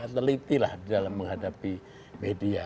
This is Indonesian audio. teliti lah dalam menghadapi media